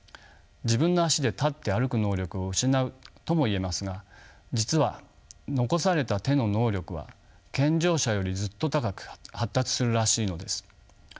自分の足で立って歩く能力を失うとも言えますが実は残された手の能力は健常者よりずっと高く発達するらしいのです。